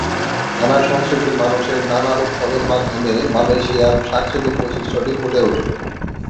নানা সংস্কৃতির মানুষের নানা উৎসবের মাধ্যমে মালয়েশিয়ার সাংস্কৃতিক বৈশিষ্ট্যটি ফুটে ওঠে।